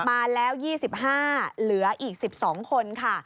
มาแล้ว๒๕เหลืออีก๑๒คนค่ะ